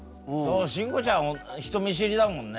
慎吾ちゃん人見知りだもんね。